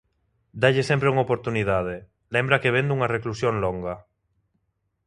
Dálle sempre unha oportunidade, lembra que vén dunha reclusión longa.